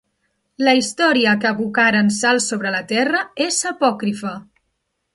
La història que abocaren sal sobre la terra és apòcrifa.